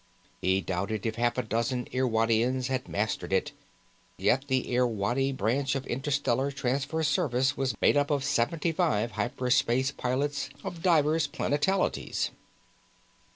He doubted if half a dozen Irwadians had mastered it, yet the Irwadi branch of Interstellar Transfer Service was made up of seventy five hyper space pilots of divers planetalities.